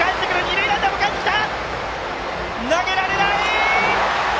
投げられない！